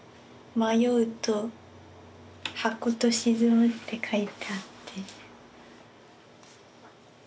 「迷う」と「箱」と「沈む」って書いてあって。